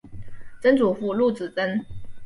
曾祖父陆子真。